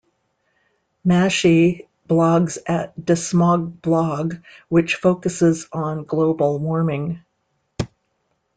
Mashey blogs at DeSmogBlog, which focuses on global warming.